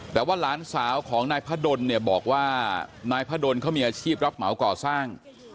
แต่ว่าหลานสาวของนายพระดนเนี่ยบอกว่านายพระดนเขามีอาชีพรับเหมาก่อสร้าง